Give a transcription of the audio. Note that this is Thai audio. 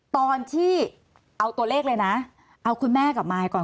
ตอนที่เอาตัวเลขเลยนะเอาคุณแม่กับมายก่อน